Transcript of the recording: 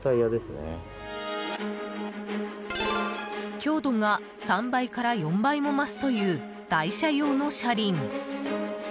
強度が３倍から４倍も増すという台車用の車輪。